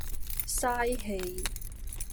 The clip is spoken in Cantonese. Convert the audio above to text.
嘥氣